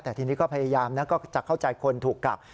แต่ทีนี้ก็พยายามนะก็จะเข้าใจคนถูกกัก